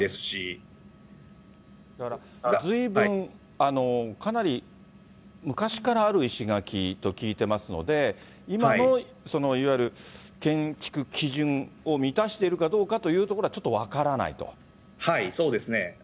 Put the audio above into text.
だからずいぶん、かなり昔からある石垣と聞いてますので、今のいわゆる建築基準を満たしているかどうかというところは、ちそうですね。